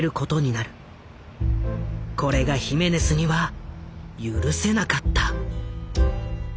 これがヒメネスには許せなかった。